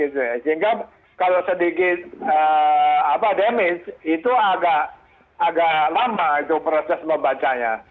sehingga kalau sedikit damage itu agak lama itu proses membacanya